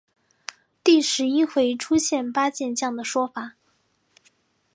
第十一回出现八健将的说法。